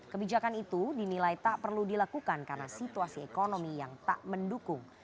kebijakan itu dinilai tak perlu dilakukan karena situasi ekonomi yang tak mendukung